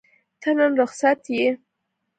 ته نن رخصت یې؟